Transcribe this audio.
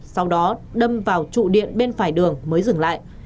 sau đó đâm vào trụ điện bên phải đường mới dừng lại